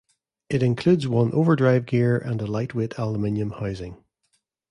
It includes one overdrive gear and a light-weight aluminum housing.